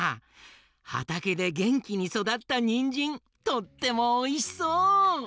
はたけでげんきにそだったにんじんとってもおいしそう！